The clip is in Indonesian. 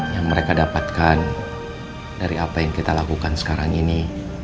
yang mereka dapatkan dari apa yang kita lakukan sekarang ini